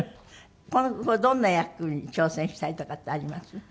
今後どんな役に挑戦したいとかってあります？